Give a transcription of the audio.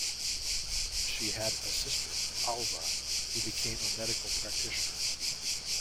She had a sister, Alva who became a medical practitioner.